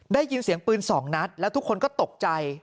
ได้ยินเสียงปืนสองนัดแล้วทุกคนก็ตกใจ